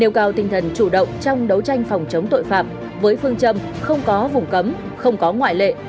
nêu cao tinh thần chủ động trong đấu tranh phòng chống tội phạm với phương châm không có vùng cấm không có ngoại lệ